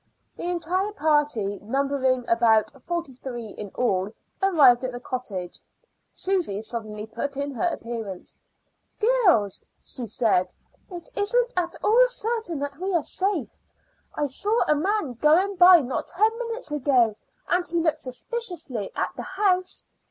The entire party, numbering about forty three in all, arrived at the cottage. Susy suddenly put in her appearance. "Girls," she said, "it isn't at all certain that we are safe. I saw a man going by not ten minutes ago, and he looked suspiciously at the house.